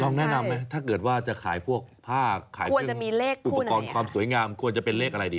ลองแนะนำนะถ้าเกิดว่าจะขายผ้าขายขึ้นอุปกรณ์ความสวยงามควรจะเป็นเลขอะไรดี